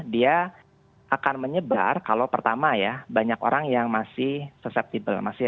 dia akan menyebar kalau pertama ya banyak orang yang masih suceptible